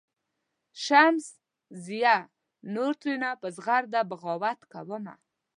"شمسزیه نور ترېنه په زغرده بغاوت کومه.